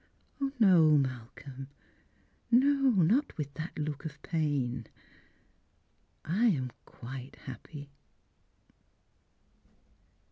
No, ]\ralcolra, no; not with that look of pain! I am quite happy."